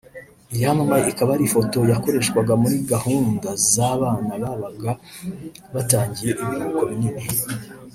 iyamamaye ikaba ari ifoto yakoreshwaga muri gahunda z’abana babaga batangiye ibiruhuko binini